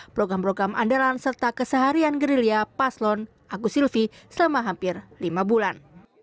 program program andalan serta keseharian gerilya paslon agus silvi selama hampir lima bulan